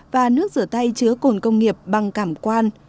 và nước rửa tay chứa cồn công nghiệp bằng cảm quan